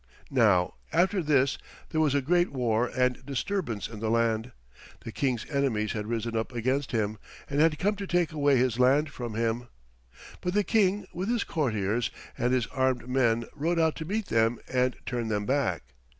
Now after this there was a great war and disturbance in the land. The King's enemies had risen up against him and had come to take away his land from him. But the King with his courtiers and his armed men rode out to meet them and turn them back.